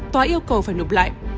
tòa yêu cầu phải nộp lại